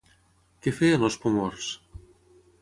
Què feien els Pomors?